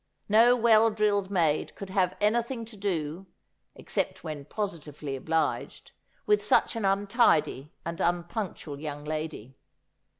No well drilled maid could have anything to do — except when positively obUged — with such an untidy and unpunctual young lady.